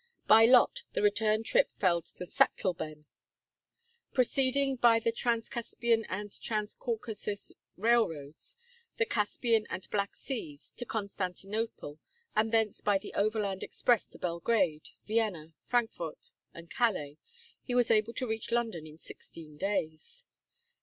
By lot the return trip fell to Sachtleben. Proceeding by the Transcaspian and Transcaucasus railroads, the Caspian and Black seas, to Constantinople, and thence by the "overland express" to Belgrade, Vienna, Frankfort, and Calais, he was able to reach London in sixteen days.